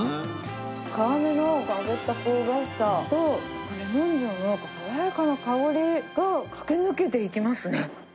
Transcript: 皮目のあぶった香ばしさと、レモン塩の爽やかな香りが駆け抜けていきますね。